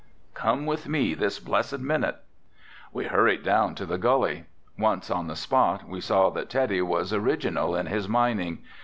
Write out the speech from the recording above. "Come with me this blessed minute." We hurried down to the gully. Once on the spot we saw that Teddy was original in his mining.